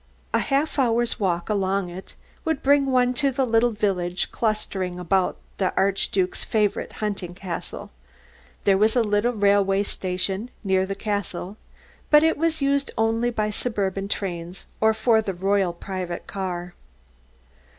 A half hour's walk along it would bring one to the little village clustering about the Archduke's favourite hunting castle. There was a little railway station near the castle, but it was used only by suburban trains or for the royal private car.